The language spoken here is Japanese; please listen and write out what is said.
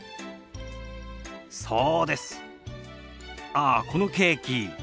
ああこのケーキ